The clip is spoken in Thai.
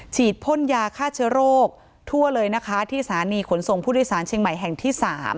พ่นยาฆ่าเชื้อโรคทั่วเลยนะคะที่สถานีขนส่งผู้โดยสารเชียงใหม่แห่งที่๓